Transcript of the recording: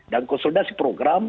dan konsolidasi program